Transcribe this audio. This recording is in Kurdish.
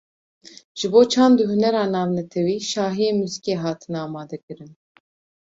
Ji Bo Çand û Hunera Navnetewî, şahiyên muzîkê hatin amade kirin